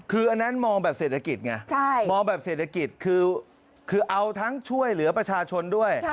คืออันนั้นมองแบบเศรษฐกิจไงมองแบบเศรษฐกิจคือเอาทั้งช่วยเหลือประชาชนด้วย